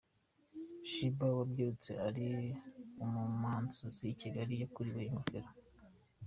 Sheebah wabyirutse ari umumansuzi i Kigali yakuriwe ingofero.